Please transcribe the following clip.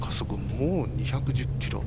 もう２１０キロ。